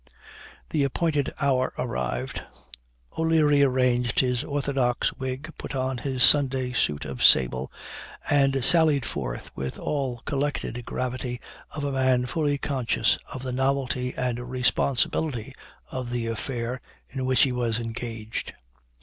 The appointed hour arrived. O'Leary arranged his orthodox wig, put on his Sunday suit of sable, and sallied forth with all collected gravity of a man fully conscious of the novelty and responsibility of the affair in which he was engaged.